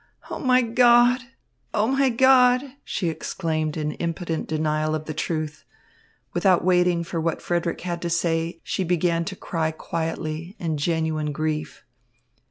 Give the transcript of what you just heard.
"O my God! O my God!" she exclaimed in impotent denial of the truth. Without waiting for what Frederick had to say, she began to cry quietly, in genuine grief.